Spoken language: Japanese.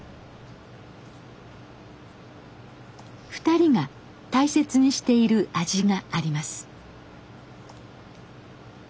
２人が大切にしている味があります。